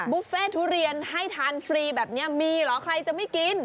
บุฟเฟ่ทุเรียนให้ทานฟรีแบบนี้มีเหรอใครจะไม่กิน